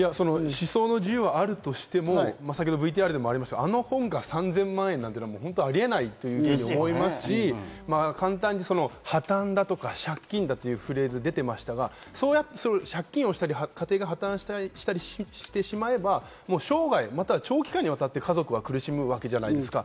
思想の自由はあるとしてもＶＴＲにもあったように、あの本が３０００万円というのはありえないと思いますし、簡単に破綻だとか借金だというフレーズが出てましたが、借金をしたり、家庭が破産したりしてしまえば生涯、または長期間にわたって家族が苦しむわけじゃないですか。